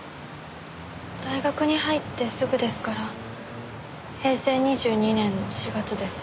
大学に入ってすぐですから平成２２年の４月です。